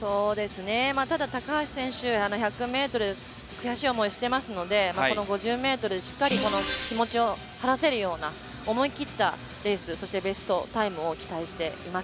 ただ高橋選手１００ｍ悔しい思いをしていますのでこの５０ｍでしっかり気持ちを晴らせるような思い切ったレースベストタイムを期待しています。